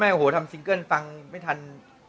โอ้โหทำซิงเกิ้ลฟังไม่ทัน